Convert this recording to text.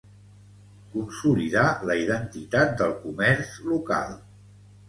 consolidar la identitat del comerç local